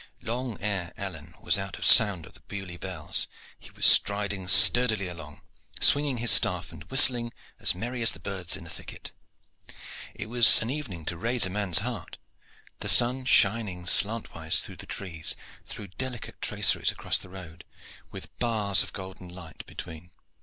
Long ere Alleyne was out of sound of the Beaulieu bells he was striding sturdily along, swinging his staff and whistling as merrily as the birds in the thicket. It was an evening to raise a man's heart. The sun shining slantwise through the trees threw delicate traceries across the road, with bars of golden light between.